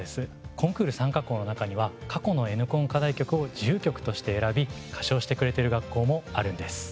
コンクール参加校の中には過去のＮコン課題曲を自由曲として選び歌唱してくれている学校もあるんです。